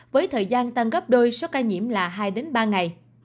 với thời gian tăng gấp đôi số ca nhiễm là hai ba ngày